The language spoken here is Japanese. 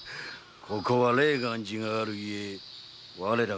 ここは霊厳寺があるゆえ我らが管轄よのう。